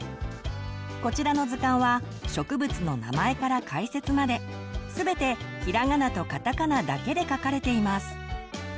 こちらの図鑑は植物の名前から解説まで全てひらがなとカタカナだけで書かれています。